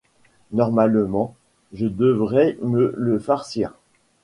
Normalement, je devrais me le farcir.